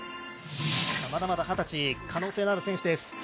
まだまだ二十歳、可能性のある選手です。